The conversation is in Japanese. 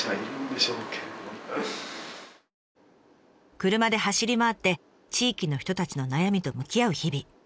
車で走り回って地域の人たちの悩みと向き合う日々。